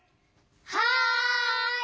はい！